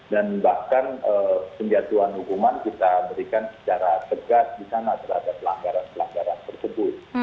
dan bahkan pendatuan hukuman kita memberikan secara tegas di sana terhadap pelanggaran pelanggaran tersebut